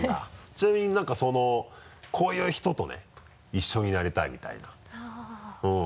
ちなみになんかそのこういう人とね一緒になりたいみたいな。